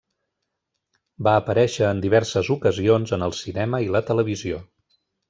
Va aparèixer en diverses ocasions en el cinema i la televisió.